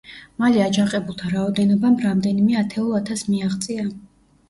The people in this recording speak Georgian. მალე აჯანყებულთა რაოდენობამ რამდენიმე ათეულ ათასს მიაღწია.